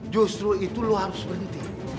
justru itu lo harus berhenti